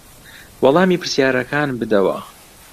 وەڵامی پرسیارەکان بدەوە.